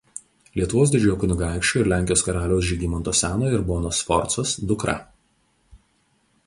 Lietuvos didžiojo kunigaikščio ir Lenkijos karaliaus Žygimanto Senojo ir Bonos Sforcos dukra.